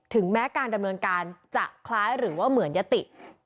แม้การดำเนินการจะคล้ายหรือว่าเหมือนยติ